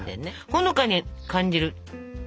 ほのかに感じる。